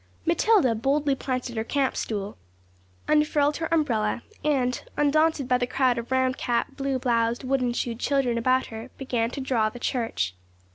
Matilda boldly planted her camp stool, unfurled her umbrella, and, undaunted by the crowd of round capped, blue bloused, wooden shoed children about her, began to draw the church.